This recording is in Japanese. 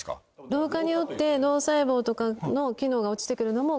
老化によって脳細胞とかの機能が落ちて来るのも。